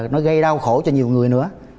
nó gây đau khổ cho nhiều người nữa